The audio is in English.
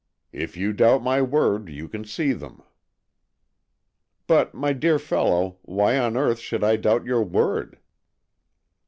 If you doubt my word you can see them." " But, my dear fellow, why on earth should I doubt your word